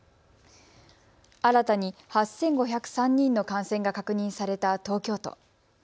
新たに８５０３人の感染が確認された東京都。